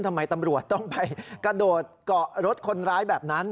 ทำไมตำรวจต้องไปกระโดดเกาะรถคนร้ายแบบนั้น